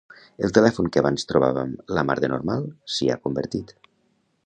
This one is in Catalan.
El telèfon que abans trobàvem la mar de normal s'hi ha convertit.